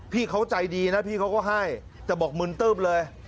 พี่เขาใจดีนะพี่เขาก็ให้แต่บอกมึนตื้มเลย